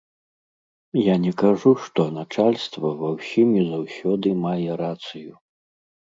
Я не кажу, што начальства ва ўсім і заўсёды мае рацыю.